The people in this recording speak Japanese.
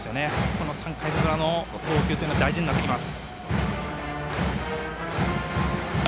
この３回の裏の投球大事になってきます。